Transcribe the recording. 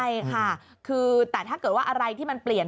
ใช่ค่ะคือแต่ถ้าเกิดว่าอะไรที่มันเปลี่ยน